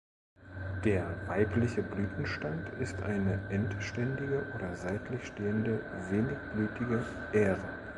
Der weibliche Blütenstand ist eine endständige oder seitlich stehende wenigblütige Ähre.